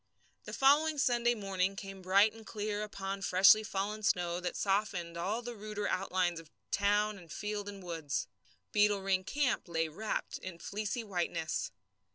The following Sunday morning came bright and clear upon freshly fallen snow that softened all the ruder outlines of town and field and woods. Beetle Ring camp lay wrapped in fleecy whiteness.